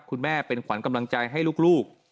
คุณแม่เป็นขวัญกำลังใจให้ลูก